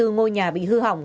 ba mươi bốn ngôi nhà bị hư hỏng